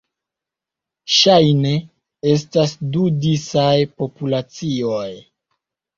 Ŝajne estas du disaj populacioj.